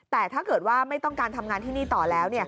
แต่ถ้าเกิดว่าไม่ต้องการทำงานที่นี่ต่อแล้ว